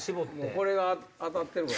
これが当たってれば。